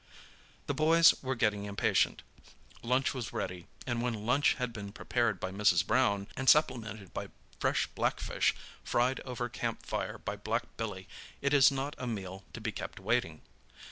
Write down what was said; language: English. The boys were getting impatient. Lunch was ready, and when lunch has been prepared by Mrs. Brown, and supplemented by fresh blackfish, fried over a camp fire by black Billy, it is not a meal to be kept waiting.